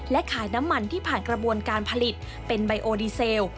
และขายน้ำมันที่ผ่านกระบวนการผลิตเป็นไบโอดีเซล